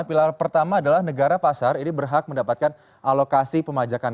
pilar pertama adalah negara pasar ini berhak mendapatkan alokasi pemajakan